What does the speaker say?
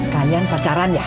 kalian pacaran ya